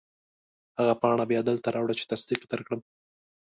هغه پاڼه بیا دلته راوړه چې تصدیق درکړم.